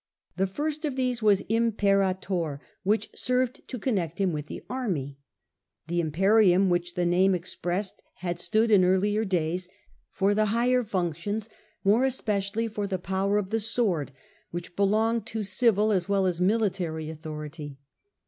The first of these was Imperator, which served imperator, connect him with the army. The imperium which the name expressed, had stood in earlier days for the higher functions, more especially for the power of the sword, which belonged to civil as well as military authority.